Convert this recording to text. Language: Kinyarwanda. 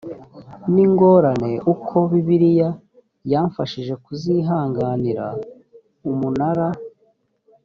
n ingorane uko bibiliya yamfashije kuzihanganira umunara